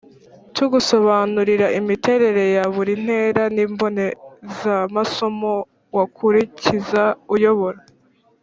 tugusobanurira imiterere ya buri ntera n’imbonezamasomo wakurikiza uyobora